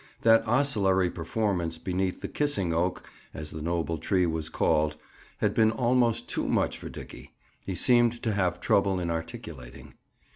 That oscillatory performance beneath the "kissing oak," as the noble tree was called, had been almost too much for Dickie. He seemed to have trouble in articulating.